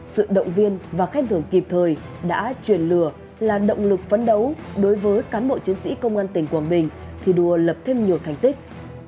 sự động viên và khen thưởng kịp thời đã truyền lửa là động lực phấn đấu đối với cán bộ chiến sĩ công an tỉnh quảng bình thi đua lập thêm nhiều thành tích